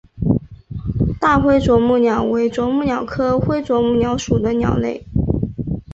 大灰啄木鸟为啄木鸟科灰啄木鸟属的鸟类。